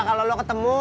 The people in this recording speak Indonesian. kalau lu ketemu